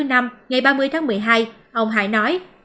ngày ba mươi tháng một mươi hai ông hải nói